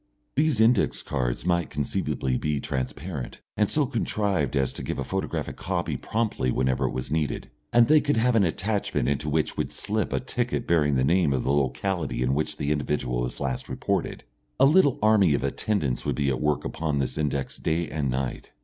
These index cards might conceivably be transparent and so contrived as to give a photographic copy promptly whenever it was needed, and they could have an attachment into which would slip a ticket bearing the name of the locality in which the individual was last reported. A little army of attendants would be at work upon this index day and night.